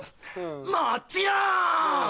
もっちろん！